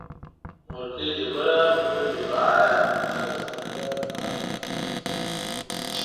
مورکۍ دي بوره، خور دي وراره، ناوې کونډه پاته